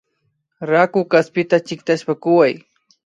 Raku kaspita chiktashpa kuway